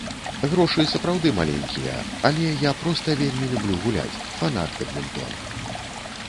Грошы сапраўды маленькія, але я проста вельмі люблю гуляць, фанат бадмінтона.